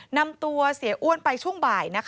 นำตัวเสียอ้วนไปช่วงบ่าย